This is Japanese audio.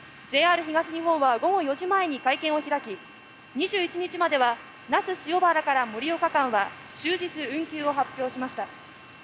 ＪＲ東日本は午後４時前に会見を開き２１日までは那須塩原から盛岡間は終日運休を発表しました。